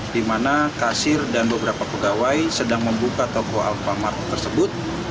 di mana kasir dan beberapa pegawai sedang membuka toko alpamar tersebut